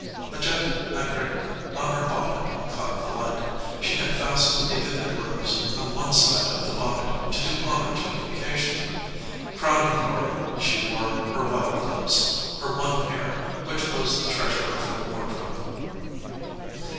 A jet aigrette on her bonnet caught the light. She had fastened a vivid rose on one side of the bonnet to do honor to the occasion. Crowning glory she 140 THE OUTSIDE OF THE HOUSE wore her white gloves, her one pair, which was the treasure of her wardrobe.